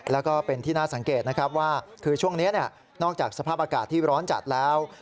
และคือช่วงนี้นอกจากสภาพอากาศที่ร้อนจัดแล้ว